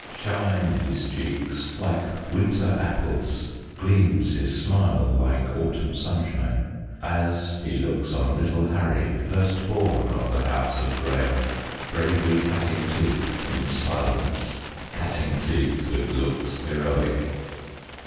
Shine his cheeks like winter apples, Gleams his smile like autumn sunshine, As he looks on little Harry, First born of the house of Graham, Bravely cutting teeth in silence, Cutting teeth with looks heroic.